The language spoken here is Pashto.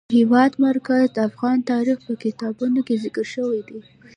د هېواد مرکز د افغان تاریخ په کتابونو کې ذکر شوی دي.